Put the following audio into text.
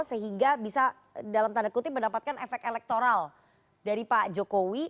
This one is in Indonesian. sehingga bisa dalam tanda kutip mendapatkan efek elektoral dari pak jokowi